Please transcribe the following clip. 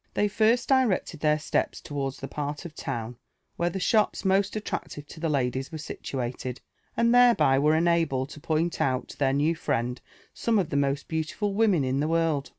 They first directed their steps towards the part of the town where the shops most attractive to the ladies were situated, and thereby were enabled to point out to their new friend some of the most beautiful women in the world.